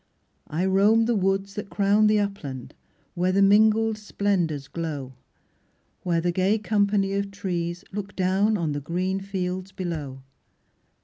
I roam the woods that crown The upland, where the mingled splendours glow, Where the gay company of trees look down On the green fields below.